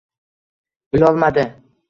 Bilolmadi.